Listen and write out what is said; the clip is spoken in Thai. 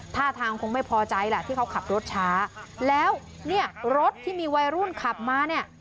ท่าทางคงไม่พอใจแหละที่เขาขับรถช้าแล้วเนี่ยรถที่มีวัยรุ่นขับมาเนี่ย